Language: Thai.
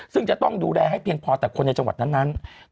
ซึ่งจะต้องดูแลให้เพียงพอแต่คนในจังหวัดนั้น